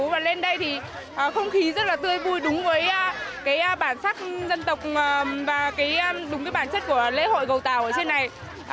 và lên đây thì không khí rất là tươi vui đúng với cái bản sắc dân tộc và đúng cái bản chất của lễ hội cầu tàu ở trên này